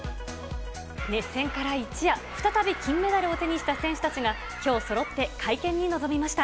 熱戦から一夜、再び金メダルを手にした選手たちが、きょう、そろって会見に臨みました。